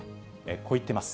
こう言ってます。